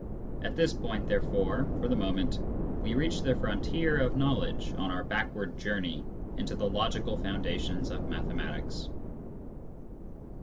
At this point, therefore, for the moment, we reach the frontier of knowledge on our backward journey into the logical founda tions of mathematics.